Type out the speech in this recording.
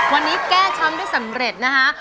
วันนี้แก้ช้ำได้สำเร็จนะคะ